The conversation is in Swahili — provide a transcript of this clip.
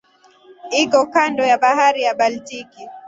Iko kando ya Bahari ya Baltiki.